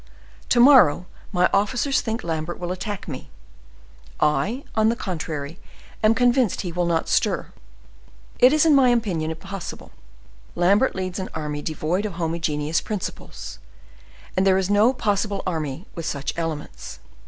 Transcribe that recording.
To morrow my officers think Lambert will attack me. I, on the contrary, am convinced he will not stir; it is in my opinion impossible. Lambert leads an army devoid of homogeneous principles, and there is no possible army with such elements.